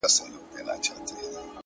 زما د زنده گۍ له هر يو درده سره مله وه ـ